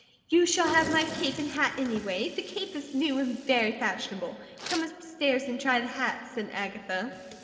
"You shall have my cape and hat, anyway. The cape is new and very fashionable. Come upstairs and try the hat," said Agatha.